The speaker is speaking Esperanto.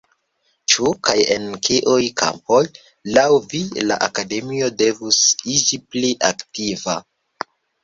Ĉu, kaj en kiuj kampoj, laŭ vi la Akademio devus iĝi pli aktiva?